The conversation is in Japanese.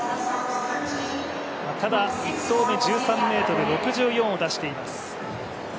ただ１投目１３ｍ６４を出しています。